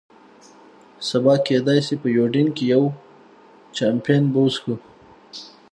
سبا کېدای شي په یوډین کې یو، چامپېن به وڅښو.